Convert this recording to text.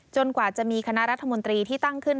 กว่าจะมีคณะรัฐมนตรีที่ตั้งขึ้น